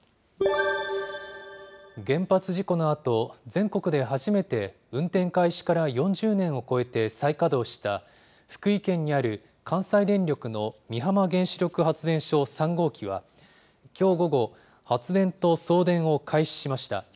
原発事故のあと、全国で初めて運転開始から４０年を超えて再稼働した、福井県にある関西電力の美浜原子力発電所３号機は、きょう午後、発電と送電を開始しました。